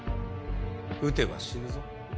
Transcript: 打てば死ぬぞ。